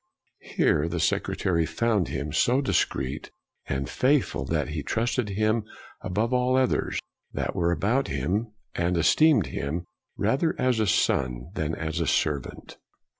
Here " the Secretary found him so discreet and faithful that he trusted him above all others that were about him," and esteemed him " rather as a son than as a servant.'